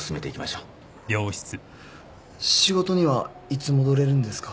仕事にはいつ戻れるんですか？